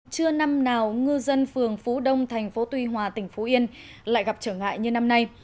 chưa năm nào ngư dân phường phú đông thành phố tuy hòa tỉnh phú yên lại gặp trở ngại như năm nay